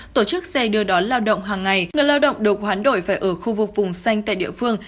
tổ chức xe đưa đón lao động hàng ngày người lao động được hoán đổi phải ở khu vực vùng xanh tại địa phương